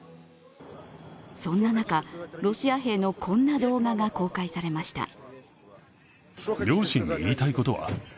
そんな中、ロシア兵のこて動画が公開されました。